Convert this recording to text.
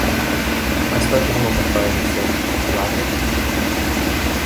I spoke to him on the phone, and said, 'Did you like it?